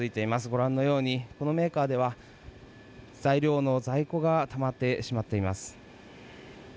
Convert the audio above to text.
ご覧のように、このメーカーでは材料の在庫がたまってしまっています。